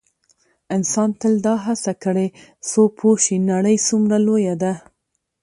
انسان تل دا هڅه کړې څو پوه شي نړۍ څومره لویه ده.